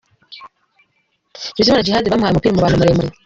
Bizimana Djihad bamuhaye umupira umubana muremure.